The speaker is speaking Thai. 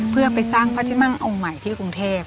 เพื่อไปสร้างพระที่นั่งองค์ใหม่ที่กรุงเทพ